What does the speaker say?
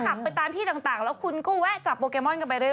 ขับไปตามที่ต่างแล้วคุณก็แวะจับโปเกมอนกันไปเรื